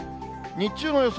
日中の予想